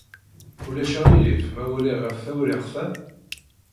Ulac aɣilif ma uriɣ ɣef tewriqt-a?